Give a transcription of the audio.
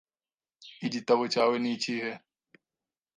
Igitabo cyawe nikihe?